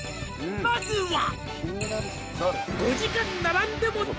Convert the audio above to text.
「まずは」